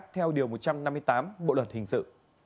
theo điều một trăm năm mươi tám bộ luật hình sự